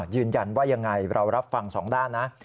ยืนยันว่ายังไงเรารับฟังสองด้านนะ